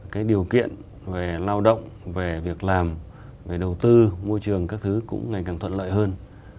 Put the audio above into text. cái điều kiện về lao động về việc làm về đầu tư môi trường các thứ cũng ngày càng thuận lợi hơn